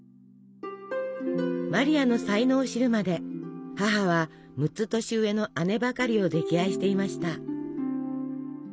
マリアの才能を知るまで母は６つ年上の姉ばかりを溺愛していました。